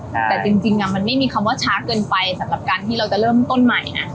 แต่จริงมันไม่มีคำว่าช้าเกินไปสำหรับการที่เราจะเริ่มต้นใหม่ไง